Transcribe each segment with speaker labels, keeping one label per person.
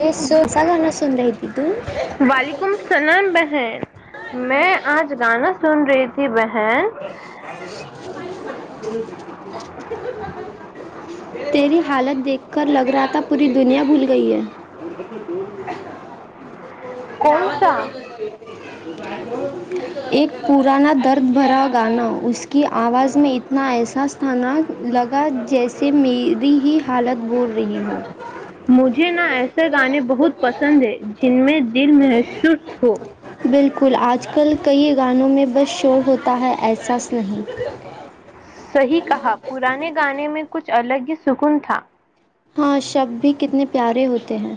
Speaker 1: یہ سن سا گانا سن رہی تھی تو
Speaker 2: وعلیکم اللام بہن میں آج گانا سن رہی تھی وہ
Speaker 1: [inaudible] تیری حالت دیکھ کر لگ رہا تھا پوری د دنیا بھول گئی ہے
Speaker 2: کون
Speaker 1: آت
Speaker 2: سا
Speaker 1: کو ب ایک پورانا درد بھرا گانا اس کی آواز میں اتنا ایسا س تھاان لگا جیسے میری ہی حالت بول رہی ہو
Speaker 2: مجھے نا ایسے گانے بہت بہت پسند ہے جن میں دل محسوس ہو
Speaker 1: بالکل آج کل کئی گانوں میں بس شور ہوتا ہے احساس نہیں
Speaker 2: سی کہا پرانے گانے میں کچھ الگ ہی سکون تھا
Speaker 1: ہاں شب بھی کتنے پیارے ہوتے ہیں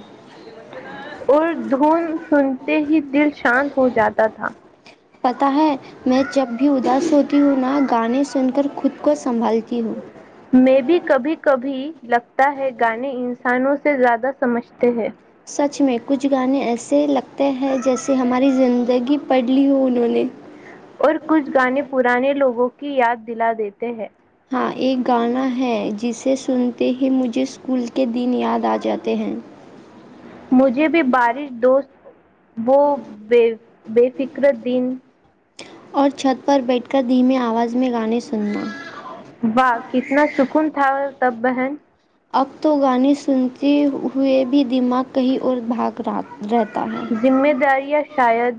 Speaker 2: اور دھون سنتے ہی دل شانت ہو جاتا تھا
Speaker 1: پتا ہے میں جب بھی اداس ہوتی ہوں نہ گانے سن کر خود کو سنبھالتی ہوں
Speaker 2: میں بھی کبھی کبھی لگتا ہے گانے انسانوں سے زیادہ سمجھتے ہیں
Speaker 1: سچ میں کچھ گانے ایسے لگتے ہیں جیسے ہماری زندگی پڑھ لی ہو انہوں نے
Speaker 2: اور کچھ گانے پرانے لوگوں کے کی یاد دلا دیتے ہیں
Speaker 1: ہاں ایک گانا ہے جسے سنتے ہی مجھے اسکول کے دن یاد آ جاتے ہیں
Speaker 2: مجھے بھی بارش دوست وہ بے بے فکر دن
Speaker 1: اور چھت پر بیٹھ کر دھیمی آواز میں گانے س
Speaker 2: واہ کتنا سکون تھا تببہن
Speaker 1: اب تو گانے سنتے ہوئے بھی دماغ کہیں اور بھاگ را
Speaker 2: ذمہ داریاں شاید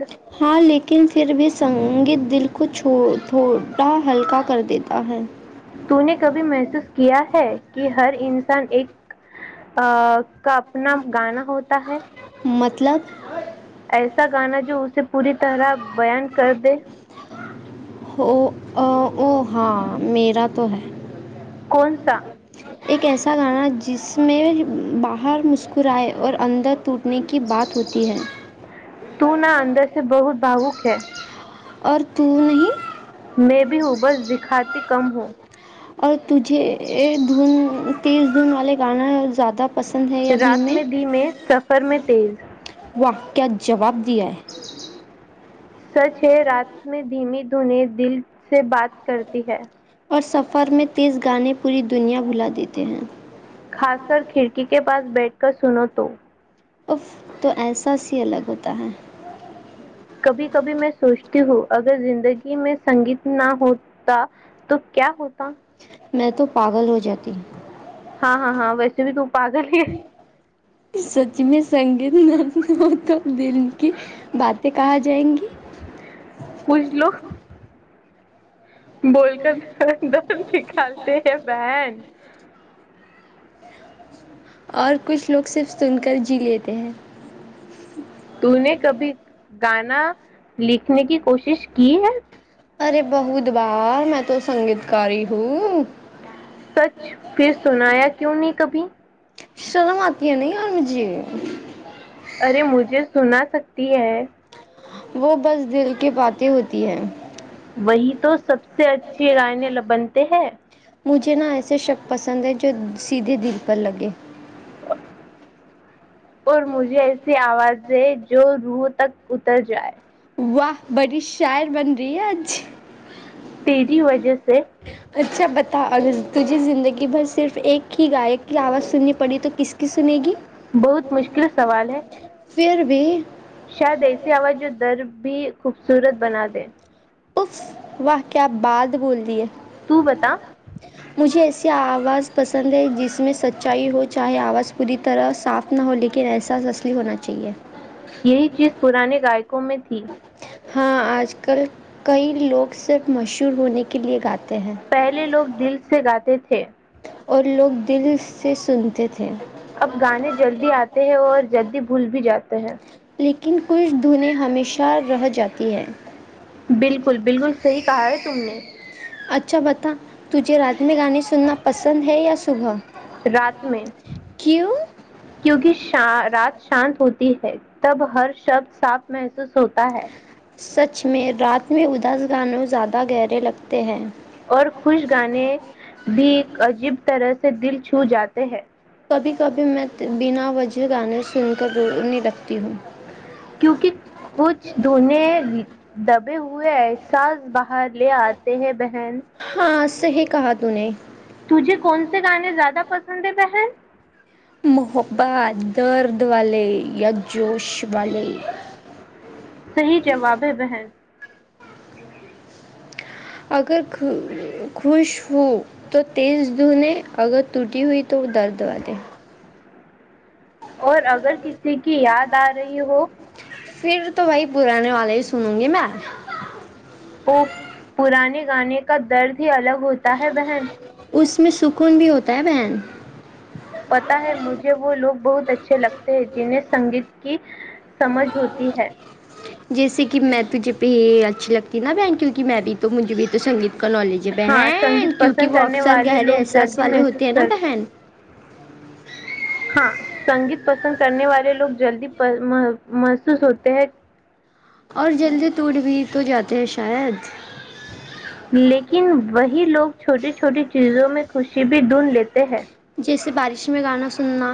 Speaker 1: ن پھر بھی سنگیت دل کو تھوٹا ہلکا کر دیتا ہے
Speaker 2: تو نے کبھی محسوس کیا ہے کہ ہر انسان ایک کا اپنا گانا ہوتا ہے
Speaker 1: ا لق
Speaker 2: ایسا گانا جو اسے پوری طرح بیان کر دے
Speaker 1: ا ا ہاں میرا تو ہے
Speaker 2: کون سا
Speaker 1: ایک ایسا گانا جس میں باہر مسکرائے اور اندر ٹوٹنے کی بات ہوتی ہے
Speaker 2: تو نہا اندر سے بہت بھاوک ہے
Speaker 1: اور تو نہیں
Speaker 2: میں بھی ہوں بس دکھاتی کم ہوں
Speaker 1: اور تجھے دھن تیز دھن والے گانا زیادہ پسند ہے یا
Speaker 2: رات
Speaker 1: دھیمے
Speaker 2: میں دی میں سفر میں تیز
Speaker 1: کا کیا جواب دیا ہے
Speaker 2: سچ ہے رات میں دھیمی دھونی دل سے بات کرتی ہے
Speaker 1: اور سفر میں تیز گانے پوری دنیا بھلا دیتے ہیں
Speaker 2: خاص کر کھڑکی کے پاس بیٹھ کر سنو تو
Speaker 1: اف تو احساس ہی الگ ہوتا ہے
Speaker 2: کبھی کبھی میں سوچتی ہوں اگر زندگی میں سنگیت نہ ہوتا تو کیا ہوتا
Speaker 1: میں تو پاگل ہو جاتی
Speaker 2: ہاں ہاں ہاں ویسے بھی تو پاگل ہے
Speaker 1: سچ میں سنگیت نت گتم دل کی باتیں کہاںا جائیں گی
Speaker 2: کچھ لوگ بول کر د د نکالتے ہیں بہن
Speaker 1: اور کچھ لوگ صرف سن کر جی لیتے ہیں
Speaker 2: ت نے کبھی گانا لکھنے کی کوشش کی ہے
Speaker 1: ارے بہ د بار میں تو سنگیتکاری ہوں
Speaker 2: سچ پھر سنایا کیوں نہیں کبھی
Speaker 1: شرم آتی ہے نہیں اورار مجھھیے
Speaker 2: ارے مجھے سنا سکتی ہے
Speaker 1: وہ بس دل کی باتیں ہوتی ہیں
Speaker 2: وہی تو سب سے اچھی رائنے بنتے ہیں
Speaker 1: مجھے نہ ایسے شکص پسند ہے جو سیدھے دل پر لگے
Speaker 2: ہ [unintelligible] اور مجھے ایسی آواز زے جو روح تک اتر جائے [unintelligible]
Speaker 1: واہ [unintelligible] بڑی شہر بن رہی ہے اج
Speaker 2: تیی وجہ سے [unintelligible]
Speaker 1: اچھا بتا اور تجھے زندگی بھر صرف ایک ہی گائک کی آواز سننی پڑی تو کس کی سنے گی
Speaker 2: بہت مشکل سوال ہے
Speaker 1: پھر بھی
Speaker 2: شاید ایسی آواز جو در بھی خوبصورت بنا دیں
Speaker 1: اف واہ کیا بات بول دی ہے [unintelligible]
Speaker 2: تو بتا
Speaker 1: اس سے آواز پسند ہے جس میں سچائی ہو چاہے آواز پوری طرح صاف نہ ہو لیکن احساس اصلی ہونا چاہیے
Speaker 2: یہی چیز پرانے گائےک کمیتھی
Speaker 1: ہاں آج کل کئی لوگ صرف مشہور ہونے کے لیے گاتے ہیں
Speaker 2: پہلے لوگ دل سے گاتے تھے چھ [unintelligible]
Speaker 1: اور لوگ دل سے سنتے تھے
Speaker 2: اب گانے جلدی آتے ہیں اور جلدی بھول بھی جاتے ہیں
Speaker 1: لیکن کچھ دھنیں ہمیشہ رہ جاتی ہیں
Speaker 2: بالکل بالکل صحیح کہا ہے تم نے
Speaker 1: چ بتا [unintelligible] تجھے رات میں گانے سننا پسند ہے یا صبح
Speaker 2: رات میں
Speaker 1: کیوں
Speaker 2: کیونکہ شا, رات شانت ہوتی ہے تب ہر شبد صاف محسوس ہوتا ہے
Speaker 1: سچ میں رات میں اداس گانوں زیادہ گہرے لگتے ہیں
Speaker 2: اور خوش گانے بھی عجیب طرح سے دل چھو جاتے ہیں
Speaker 1: کبھی کبھی میں بنا وجہ گانے سن کر ر نہیں رکھتی
Speaker 2: کیونکہ کھ دھونے دب ہوئے ہیں ساس بق بر لے آتے ہیں بہن
Speaker 1: سے ہی کہا ت نے
Speaker 2: تجھے کون سے گانے زیادہ پسند سندے پ ہیں
Speaker 1: محبت درد والے یا جوش والے
Speaker 2: صحی جوابیں وہیں
Speaker 1: اگر خوش ہووں تو تیز دھنے اگر ٹوٹی ہوئی تو وہ درد ہو دے
Speaker 2: اور اگر کسی کی یاد آ رہی ہو
Speaker 1: پھر تو بھائی پرانے والے ہی سنوں گی میں
Speaker 2: وہ پرانے گانے کا درد ہی الگ ہوتا ہے بہن
Speaker 1: اس میں سکون بھی ہوتا ہے بہن
Speaker 2: پتا ہے مجھے وہ لوگ بہت اچھے لگتے ہیں جنہیں سنگیت کی سمجھ ہوتی ہے
Speaker 1: جیسے کہ میں تجھے پہ اچھی لگتی نا بن کیونکہ میں بھی تو مجھے بھی تو سگیت ک لو لیجے
Speaker 2: ہاں
Speaker 1: بہن
Speaker 2: سنگیت
Speaker 1: کیونکہ
Speaker 2: پسند
Speaker 1: وہ
Speaker 2: کرنے
Speaker 1: اکثر
Speaker 2: والے
Speaker 1: گہرے
Speaker 2: لوگ
Speaker 1: احساس
Speaker 2: جلدی
Speaker 1: والے
Speaker 2: محظوظ
Speaker 1: ہوتے ہیں نا
Speaker 2: کرتے
Speaker 1: بہن
Speaker 2: ہاں سنگیت پسند کرنے والے لوگ جلدی محسوس ہوتے ہیں
Speaker 1: اور جلدی ٹوٹ بھی تو جاتے ہیں شاید
Speaker 2: لیکن وہی لوگ چھوٹے چ چھوٹی چیزوں میں خوشی بھی ڈھونڈ لیتے ہیں
Speaker 1: جیسے بارش میں گانا سننا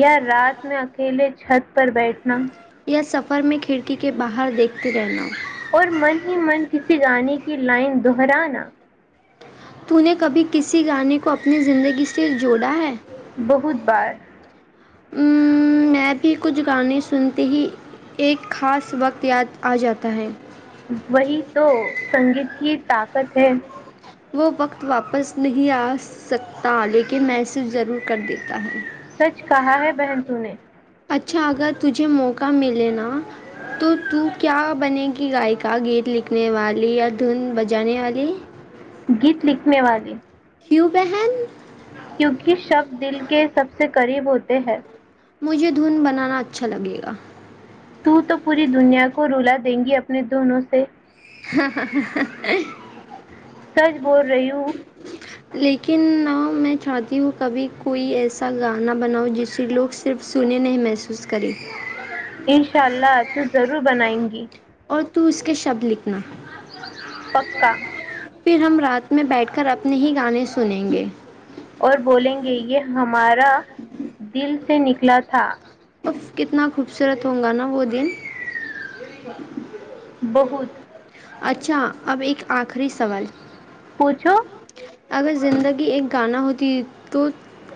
Speaker 2: یا رات میں اکیلے چھت پر بیٹھنا
Speaker 1: یا سفر میں کھڑکی کے باہر دیکھتے رہنا
Speaker 2: اور من ہی من کسی گانے کی لائن دہرانا
Speaker 1: تو نے کبھی کسی گانے کو اپنی زندگی سے جوڑا ہے
Speaker 2: بہت بار
Speaker 1: میں بھی کچھ گانے سنتے ہی ایک خاص وقت یاد آ جاتا ہے
Speaker 2: وہی تو سنگیت کی طقت سھ
Speaker 1: وہ وقت واپس نہیں آ سکتا لیکن میںس ضرور کر دیتا ہوں
Speaker 2: سچ کہا ہے بہن تو نے
Speaker 1: کا ملینا تو تو کیا بنے گی کی گائکا گیت لکھنے والی یا دھن بجانے والی
Speaker 2: گیت لکھنے والے
Speaker 1: ہییو بہن
Speaker 2: شبد دل کے سب سے کم قریب ہوتے ہیں
Speaker 1: مجھے دھن بنانا اچھا لگے گا
Speaker 2: ت تو پوری دنیا کو رولا دیں گی اپنے دونوں سے
Speaker 1: [unintelligible]
Speaker 2: ج بول رہی ہوں
Speaker 1: لیکن نہ میں چاہتی ہوں کبھی کوئی ایسا گانا بناؤ جسے لوگ صرف سنے نہیں محسوس کریں
Speaker 2: انشاء اللہ تو ضرور بنائیں گی
Speaker 1: اور تو اس کے شبد لکھنا
Speaker 2: پکا
Speaker 1: پھر ہم رات میں بیٹھ کر اپنے ہی گانے سنیں گے
Speaker 2: اور بولیں گے یہ ہمارا دل سے نکلا تھا
Speaker 1: ب کتنا خوبصورت ہوگا نا وہ دن
Speaker 2: بہت
Speaker 1: اچھا اب ایک آخری سوال
Speaker 2: پوچھو
Speaker 1: اگر زندگی ایک گانا ہوتی تو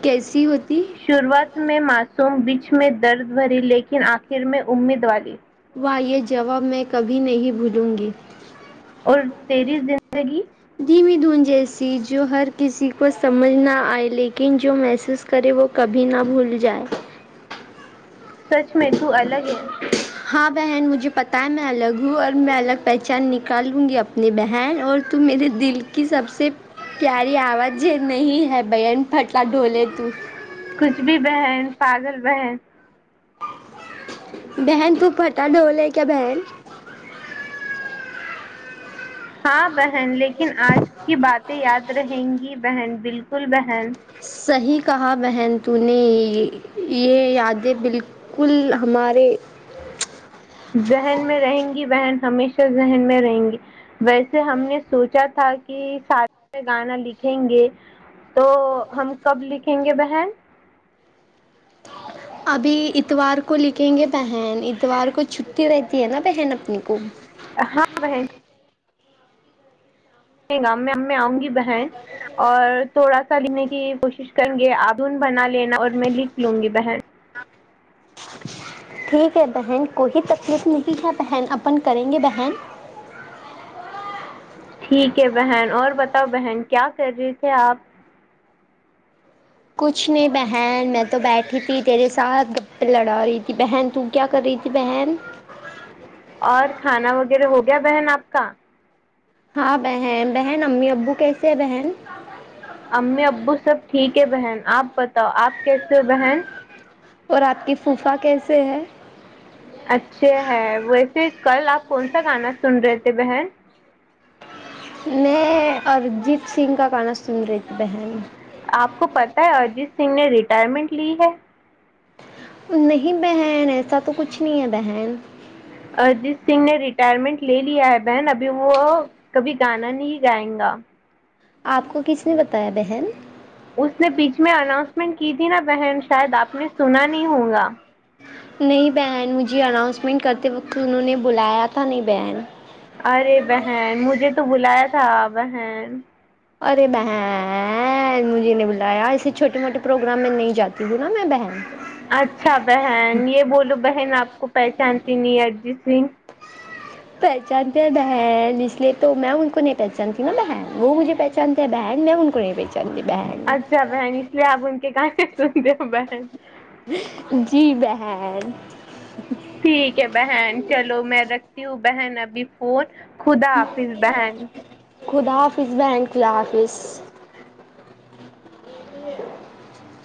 Speaker 1: کیسی ہوتی
Speaker 2: شروعات میں معاصوم بیچ میں درد بھری لیکن آخر میں امید والی
Speaker 1: واہ یہ جواب میں کبھی نہیں بھولوں گی
Speaker 2: اور تیری ز زگی
Speaker 1: دھون جیسی جو ہر کسی کو سمجھ نہ آئے لیکن جو محسوس کرے وہ کبھی نہ بھول جائے
Speaker 2: سچ میں تو الگ ہے
Speaker 1: ہاں بہن مجھے پت ہے میں الگ ہوں اور میں الگ پہچان نکالوں گی اپنی بہن اور تو میرے دل کی سب سے پیاری آواز نہیں ہے بہن پھٹلہ ڈھولے تو
Speaker 2: کچھ بھی بہن پاگل بہن
Speaker 1: بہن تو پھٹا ڈولے کیا بہن
Speaker 2: ہاں بہن لیکن آج کی باتیں یاد رہیں گی بہن بالکل ب
Speaker 1: صحیح کہا بہن ت نے یہ یادیں بالکل ہمارے
Speaker 2: ذہن میں رہیں گی بہن ہمیشہ ذہن میں رہیں گے ویسے ہم نے سوچا تھا کہ سارے گانا لکھیں گے تو ہم کب لکھیں گے بہن
Speaker 1: ابھی اتوار کو لکھیں گے بہن اتوار کو چھٹی رہتی ہے نا بہن اپنی کو
Speaker 2: ہاں بہن نہیں گ آؤں گی بہن اور تھوڑا سا لینے کی کی کوشش کریں گے آدن بنا لینا اور میں لکھ لوں گی بہن
Speaker 1: ٹھیک ہے بہن کوئی تکلیف نہیں ہے بہن اپن کریں گے بہن
Speaker 2: ٹھیک ہے بہن اور بتاؤ بہن کیا کر رہی تھے آپ
Speaker 1: کچھ نہیں بہن میں تو بیٹھی تھی تیرے ساتھ گپے لڑا رہی تھی بہن تو کیا کر رہی تھی بہن
Speaker 2: اور کھانا وغیرہ ہو گیا بہن آپ کا
Speaker 1: ہاں بہن بہن امی ابو کیسے ہے بہن
Speaker 2: امی ابو سب ٹھیک ہے بہن آپ بتاؤ آپ کیسے ہو بہن
Speaker 1: اور آپ کی پوفا کیسے ہے
Speaker 2: اچھا ہے ویسے کل آپ کون سا گانا سن رہے تھے بہن
Speaker 1: میں ارجیت سنگھ کا گانا سن رہی تھی بہن
Speaker 2: آپ کو پتا ہے ارجیت سنگھ نے رٹ اٹائرمنٹ لی ہے
Speaker 1: نہیں بہن ایسا تو کچھ نہیں ہے بہن
Speaker 2: ارجیت سنگھ نے ریٹائرمنٹ لے لیا ہے بہن ابھی وہ کبھی گانا نہیں گائے گا
Speaker 1: آپ کو کس نے بتایا بہن
Speaker 2: اس نے بیچ میں اناؤنسمنٹ کی تھی نا بہن شاید آپ نے سنا نہیں ہوگا
Speaker 1: نہیں بہن مجھے اناؤنسمنٹ کرتے وقت انہوں نے بلایا تھا نہیں بہن
Speaker 2: ارے بہن مجھے تو بلایا تھا صاب ہےن
Speaker 1: ارے بن مجھے نے بلایا ایے چھوٹے موٹے پروگرام میں نہیں جاتی ہوں نا میں ب
Speaker 2: اچھا بہن یہ بولو بہن آپ کو پہچانتی نہیں ہے جس سن
Speaker 1: پہچانتی بن اس لیے تو میں ان کو نہیں پہچانتی نا بن وہ مھے پہچانتے دینڈ ممننے پےے
Speaker 2: اچھا بہن اس لیے آپ ان کے کہاں ت د ب
Speaker 1: جی بحن
Speaker 2: ٹھیک ہے بہن چلو میں رکھتی ہوں بہن نبی پون خدا حافظ بہن
Speaker 1: آفس بینکلا آفس ج